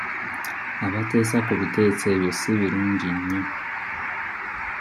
Abateesa ku biteeso ebyo si birungi nnyo.